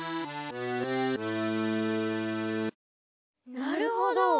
なるほど。